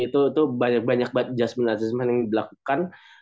itu banyak banyak adjustment adjustment yang dilakukan